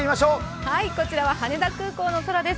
こちらは羽田空港の空です。